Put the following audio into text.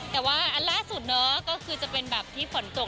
แต่ว่าอันล่าสุดเนอะก็คือจะเป็นแบบที่ฝนตก